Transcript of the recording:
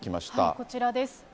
こちらです。